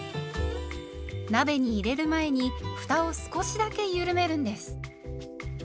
鍋に入れる前にふたを少しだけゆるめるんです。